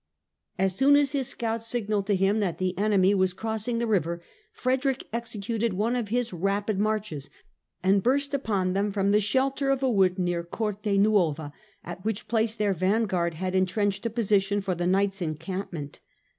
As soon as his scouts sig nalled to him that the enemy were crossing the river, Frederick executed one of his rapid marches and burst upon them from the shelter of a wood near Cortenuova, at which place their vanguard had entrenched a position for the night's encampment.